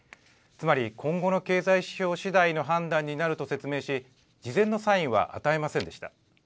つまり、今後の経済指標しだいの判断になると説明し、事前のサインは与えませんでした。